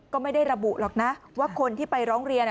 ก็ไม่ได้ระบุหรอกนะว่าคนที่ไปร้องเรียน